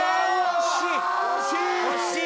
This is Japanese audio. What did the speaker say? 惜しい！